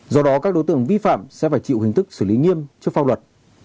do đó các đối tượng vi phạm sẽ phải chịu hình thức xử lý nghiêm trước pháp luật